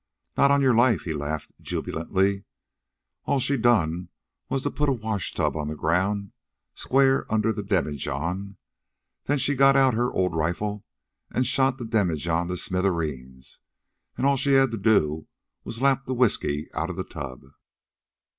"Not on your life," he laughed jubilantly. "All she'd done was to put a washtub on the ground square under the demijohn. Then she got out her old rifle an' shot the demijohn to smithereens, an' all she had to do was lap the whisky outa the tub."